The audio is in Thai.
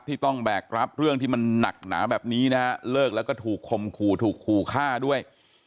ต้องแบกรับเรื่องที่มันหนักหนาแบบนี้นะฮะเลิกแล้วก็ถูกคมขู่ถูกขู่ฆ่าด้วย